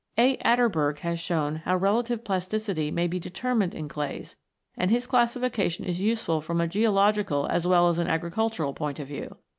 A. Atterberg(4o) has shown how relative plasticity may be determined in clays, and his classification is useful from a geological as well as an agricultural point of view.